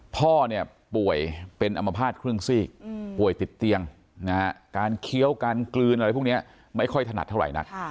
พ่อเนี่ยป่วยเป็นอัมพาตครึ่งซีกป่วยติดเตียงการเคี้ยวการกลืนอะไรพวกนี้ไม่ค่อยถนัดเท่าไหร่นัก